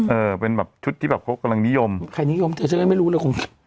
เออเป็นชุดที่เขากำลังนิยมใครนิยมฉันไม่รู้เลยคุณ